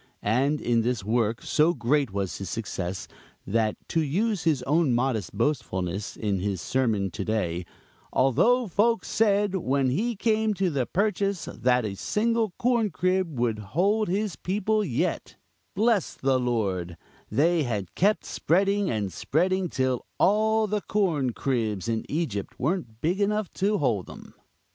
And in this work, so great was his success, that, to use his own modest boastfulness in his sermon to day, "although folks said when he came to the Purchase that a single corn crib would hold his people, yet, bless the Lord, they had kept spreading and spreading till all the corn cribs in Egypt weren't big enough to hold them!"